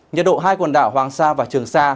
nhiệt độ hai quần đảo hoàng sa và trường sa